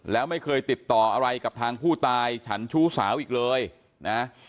แล้วไม่เคยติดต่ออะไรกับทางผู้ตายฉันชู้สาวอีกเลยนะ